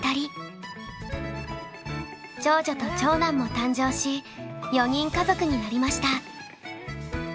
長女と長男も誕生し４人家族になりました。